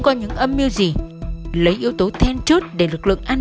cho nên là